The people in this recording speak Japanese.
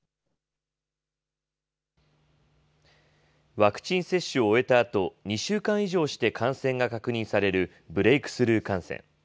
ワクチン接種を終えたあと、２週間以上して感染が確認される、ブレイクスルー感染。